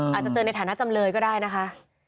อาจจะเจอในฐานะจำเลยก็ได้นะคะ